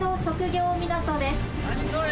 ・何それ！